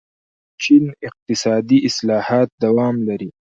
چین اقتصادي اصلاحات دوام لري.